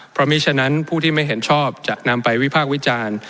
เพราะมีฉะนั้นผู้ที่ไม่เห็นชอบจะนำไปวิพากษ์วิจารณ์